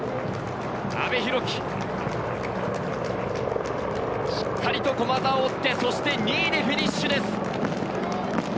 阿部陽樹、しっかりと駒澤を追って２位でフィニッシュです。